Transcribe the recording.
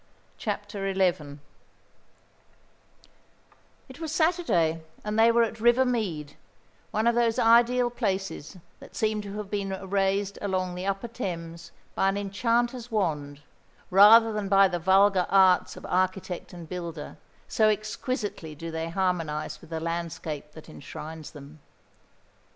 CHAPTER XI It was Saturday, and they were at River Mead one of those ideal places that seem to have been raised along the upper Thames by an enchanter's wand rather than by the vulgar arts of architect and builder, so exquisitely do they harmonise with the landscape that enshrines them.